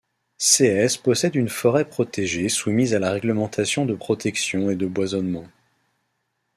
Séez possède une forêt protégée soumise à la réglementation de protection et de boisements.